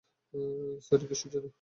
Sorry কিসের জন্য?